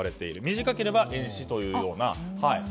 短ければ遠視というような。